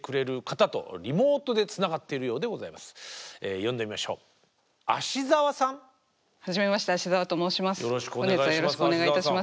よろしくお願いします